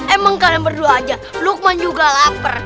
emang kalian berdua aja lukman juga lapar